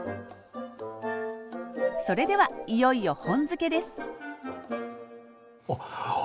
それではいよいよ「本漬け」ですあっ！